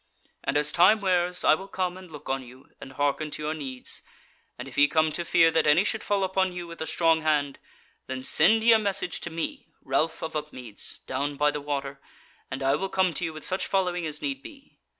And as time wears I will come and look on you and hearken to your needs: and if ye come to fear that any should fall upon you with the strong hand, then send ye a message to me, Ralph of Upmeads, down by the water, and I will come to you with such following as need be.